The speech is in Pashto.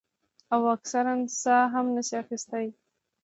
او اکثر ساه هم نشي اخستے ـ